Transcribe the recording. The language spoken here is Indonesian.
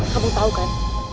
kamu tau kan